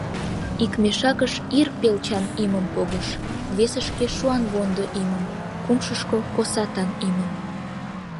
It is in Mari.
Ик мешакыш ир пелчан имым погыш, весышке — шуанвондо имым, кумшышко — косатан имым.